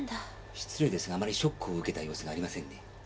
失礼ですがあまりショックを受けた様子がありませんね。